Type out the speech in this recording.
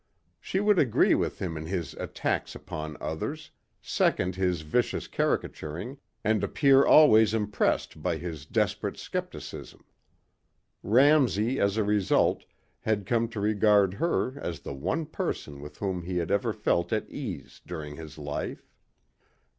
She would agree with him in his attacks upon others, second his vicious caricaturing and appear always impressed by his desperate skepticism. Ramsey as a result had come to regard her as the one person with whom he had ever felt at ease during his life.